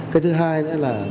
cái thứ hai là